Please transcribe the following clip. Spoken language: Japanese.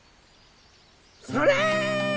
それ！